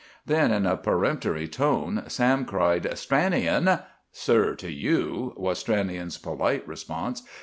Then, in a peremptory tone, Sam cried, "Stranion!"—"Sir, to you!" was Stranion's polite response.